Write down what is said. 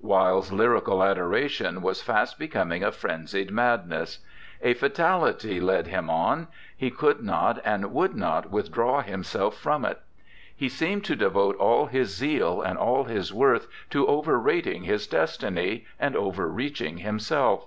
Wilde's lyrical adoration was fast becoming a frenzied madness. A fatality led him on; he could not and would not withdraw himself from it. He seemed to devote all his zeal and all his worth to over rating his destiny, and over reaching himself.